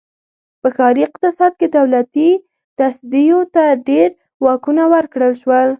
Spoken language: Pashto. په ښاري اقتصاد کې دولتي تصدیو ته ډېر واکونه ورکړل شول.